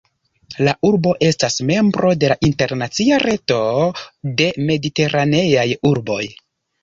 La urbo estas membro de la internacia "reto de mediteraneaj urboj".